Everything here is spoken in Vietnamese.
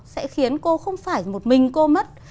sẽ khiến cô không phải một mình cô mất